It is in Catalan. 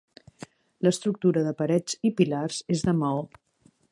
L'estructura de parets i pilars és de maó.